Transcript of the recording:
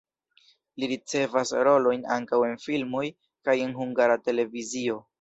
Li ricevas rolojn ankaŭ en filmoj kaj en Hungara Televizio.